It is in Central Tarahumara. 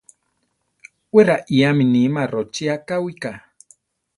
Wé raiáme níma rochí akáwika.